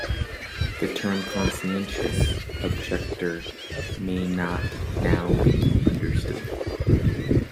The term conscientious objector may not now be understood.